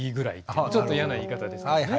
ちょっとやな言い方ですけどね。